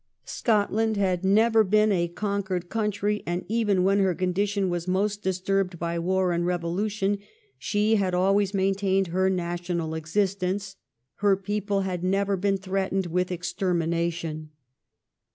Scotland had never been a conquered country, and even when her condition was most disturbed by war and revolution she had always maintained her national existence. Her people had never been threatened with extermination.